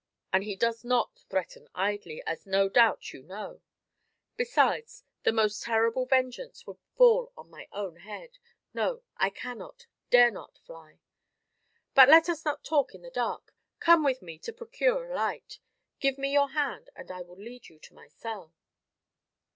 And he does not threaten idly, as no doubt you know. Besides, the most terrible vengeance would fall on my own head. No, I cannot dare not fly. But let us not talk in the dark. Come with me to procure a light. Give me your hand, and I will lead you to my cell."